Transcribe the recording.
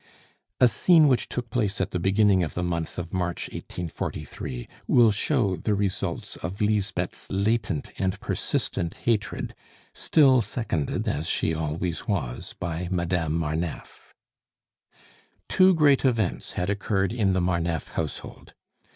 A scene which took place at the beginning of the month of March 1843 will show the results of Lisbeth's latent and persistent hatred, still seconded, as she always was, by Madame Marneffe. Two great events had occurred in the Marneffe household.